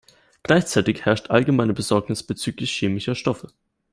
Gleichzeitig herrscht allgemeine Besorgnis bezüglich chemischer Stoffe.